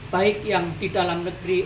baik yang di dalam negeri